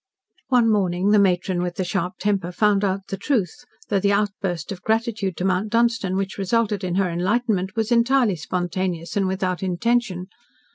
One morning the matron with the sharp temper found out the truth, though the outburst of gratitude to Mount Dunstan which resulted in her enlightenment, was entirely spontaneous and without intention.